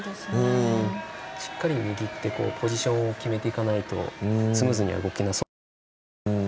しっかり握ってポジションを決めていかないとスムーズには動けなさそうな。